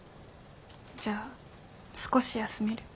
じゃあ少し休める。